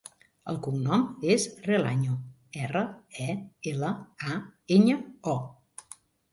El cognom és Relaño: erra, e, ela, a, enya, o.